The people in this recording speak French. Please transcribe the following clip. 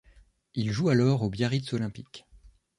Il joue alors au Biarritz olympique.